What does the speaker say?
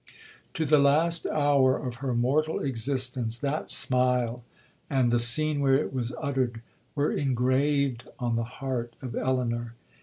To the last hour of her mortal existence, that smile, and the scene where it was uttered, were engraved on the heart of Elinor.